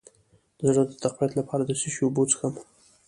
د زړه د تقویت لپاره د څه شي اوبه وڅښم؟